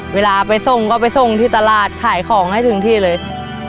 เวลาไปส่งก็ไปส่งที่ตลาดขายของให้ถึงที่เลย